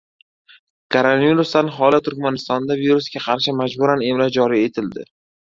Koronavirusdan holi Turkmanistonda virusga qarshi majburan emlanish joriy etildi